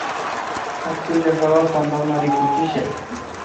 Hakulla hawa pampama rikuchisha